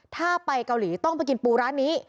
ถ้าไปเกาหลีต้องไปกินปูร้านนี้